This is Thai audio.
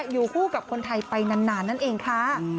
อยู่คู่กับคนไทยไปนานนั่นเองค่ะ